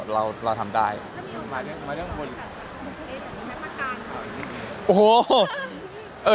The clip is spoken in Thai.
เราทำได้